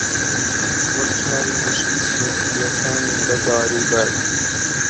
وەک چاوی وشکە سۆفییەکانی لە دار و بەرد